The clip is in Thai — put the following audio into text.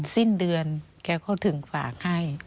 สิ้นเดือนแกเขาถึงฝากให้